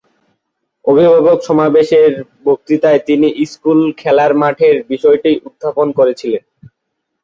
অভিভাবক সমাবেশের বক্তৃতায় তিনি স্কুল খেলার মাঠের বিষয়টি উত্থাপন করেছিলেন।